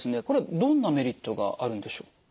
これどんなメリットがあるんでしょう？